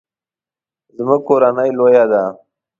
زموږ کورنۍ لویه ده